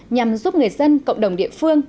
nhằm giúp người dân cộng đồng địa phương